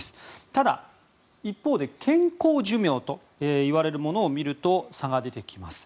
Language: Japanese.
ただ、一方で健康寿命といわれるものを見ると差が出てきます。